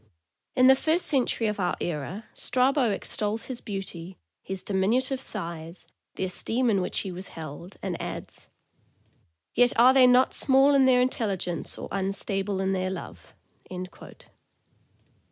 In the first century of our era, Strabo extols his beauty, his diminutive size, the esteem in which he was held, and adds: "Yet are they not small in their intelligence or unstable in their love."